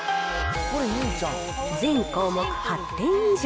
全項目８点以上。